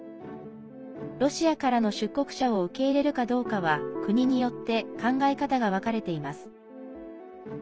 ロシアからの出国者を受け入れるかどうかは国によって考え方が分かれています。